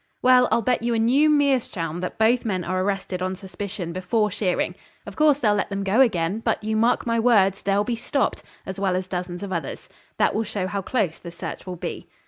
'Well, I'll bet you a new meerschaum that both men are arrested on suspicion before shearing. Of course they'll let them go again; but, you mark my words, they'll be stopped, as well as dozens of others. That will show how close the search will be.'